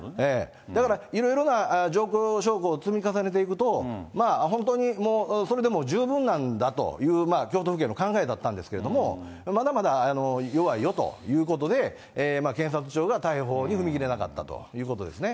だから、いろいろな状況証拠を積み重ねていくと、本当にそれでも十分なんだという、京都府警の考えだったんですけれども、まだまだ弱いよということで、検察庁が逮捕に踏み切れなかったということですね。